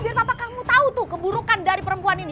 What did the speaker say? biar bapak kamu tahu tuh keburukan dari perempuan ini